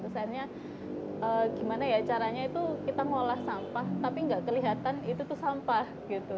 misalnya gimana ya caranya itu kita ngolah sampah tapi nggak kelihatan itu tuh sampah gitu